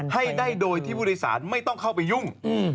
ให้ได้โดยที่ผู้โดยสารไม่ต้องเข้าไปยุ่ง